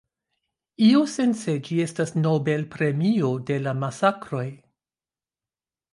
Iusence ĝi estas Nobel-premio de la masakroj.